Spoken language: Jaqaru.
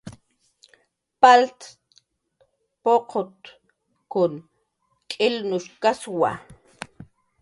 Palt puqutkun k'ilnushkaswa